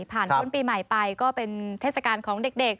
ผ่านต้นปีใหม่ไปก็เป็นเทศกาลของเด็ก